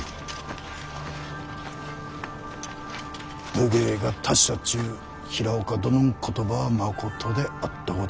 武芸が達者っちゅう平岡殿ん言葉はまことであったごたあ。